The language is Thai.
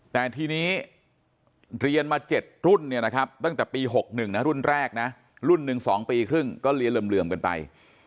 แต่ทีนี้เรียนมา๗รุ่นเนี่ยนะครับตั้งแต่ปี๖๑นะรุ่นแรกนะรุ่นหนึ่ง๒ปีครึ่งก็เรียนเหลื่อมกันไป